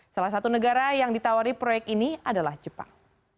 salah satu negara yang ditawari proyek ini adalah jepang